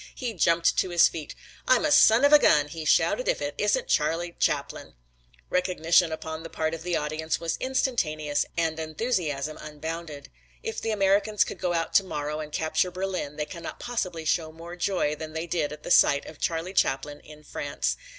He jumped to his feet. "I'm a son of a gun," he shouted, "if it isn't Charlie Chaplin." Recognition upon the part of the audience was instantaneous and enthusiasm unbounded. If the Americans go out tomorrow and capture Berlin they cannot possibly show more joy than they did at the sight of Charlie Chaplin in France.